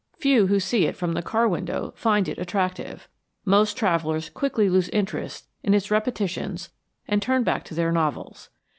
Few who see it from the car window find it attractive; most travellers quickly lose interest in its repetitions and turn back to their novels.